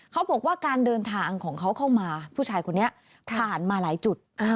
เขาบอกว่าการเดินทางของเขาเข้ามาผู้ชายคนนี้ผ่านมาหลายจุด